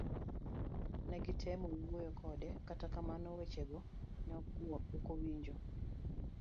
Negitemo wuoyo kode kata kamano wechego ne okowinjo.